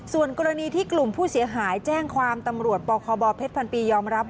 ส่วนกรณีที่กลุ่มผู้เสียหายแจ้งความตำรวจปคพพยยรับ